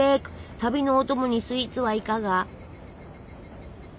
旅のお供にスイーツはいかが？